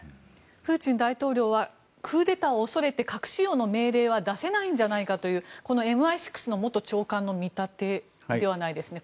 プーチン大統領はクーデターを恐れて核使用の命令は出せないんじゃないかというこのＭＩ６の元長官の見立てではないですね